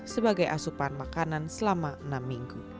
sebagai asupan makanan selama enam minggu